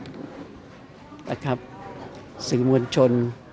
แล้วก็ที่สำคัญก็คือประชาชนสิงหวัดชน